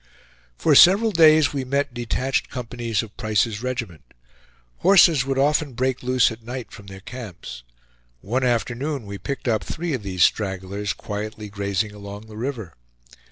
For several days we met detached companies of Price's regiment. Horses would often break loose at night from their camps. One afternoon we picked up three of these stragglers quietly grazing along the river.